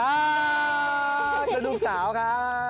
แล้วลูกสาวค่ะ